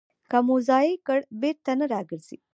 که مو ضایع کړ، بېرته نه راګرځي.